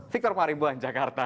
victor maribuan jakarta